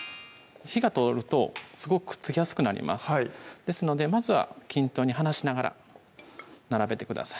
火が通るとすごくくっつきやすくなりますですのでまずは均等に離しながら並べてください